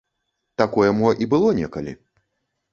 Такое мо і было некалі.